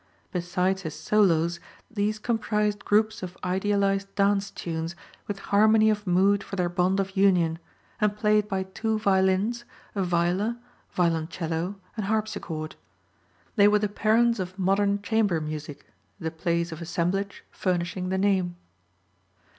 Besides his solos these comprised groups of idealized dance tunes with harmony of mood for their bond of union, and played by two violins, a viola, violoncello and harpsichord. They were the parents of modern Chamber Music, the place of assemblage furnishing the name.